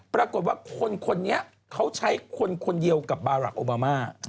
ปรากฏว่าคนนี้เขาใช้คนคนเดียวกับบารักษ์โอบามา